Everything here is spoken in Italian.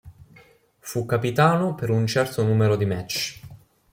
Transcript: Fu capitano per un certo numero di match.